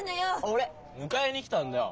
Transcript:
俺迎えに来たんだよ。